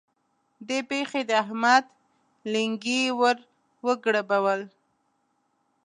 دې پېښې د احمد لېنګي ور وګړبول.